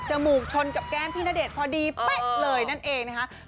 จมูกชนกับแก้มพี่ณเดชน์พอดีไปเลยนั่นเอง